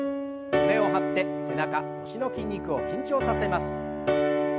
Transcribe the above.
胸を張って背中腰の筋肉を緊張させます。